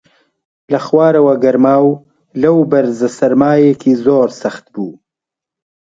لە خوارەوە گەرما و لەو بەرزە سەرمایەکی زۆر سەخت بوو